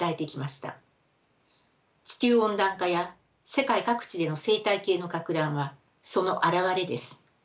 地球温暖化や世界各地での生態系のかく乱はその現れです。